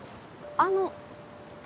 あの。